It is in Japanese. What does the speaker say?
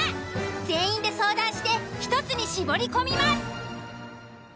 全員で相談して１つに絞り込みます。